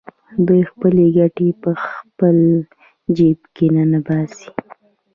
دوی خپلې ګټې په خپل جېب کې ننباسي